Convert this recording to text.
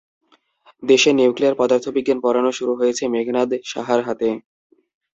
দেশে নিউক্লিয়ার পদার্থবিজ্ঞান পড়ানো শুরু হয়েছে মেঘনাদ সাহার হাতে।